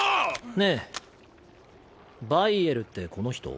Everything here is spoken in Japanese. ねえバイエルってこの人？